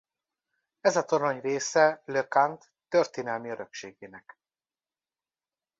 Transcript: Ez a torony része Le Cannet történelmi örökségének.